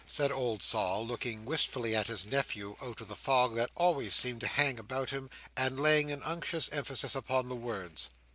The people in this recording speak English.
said old Sol, looking wistfully at his nephew out of the fog that always seemed to hang about him, and laying an unctuous emphasis upon the words.